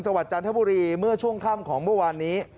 จันทบุรีเมื่อช่วงค่ำของเมื่อวานนี้